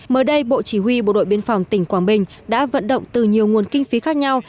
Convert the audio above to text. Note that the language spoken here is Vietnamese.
mới đây bộ chỉ huy bộ đội biên phòng tỉnh quảng bình đã vận động từ nhiều nguồn kinh phí khác nhau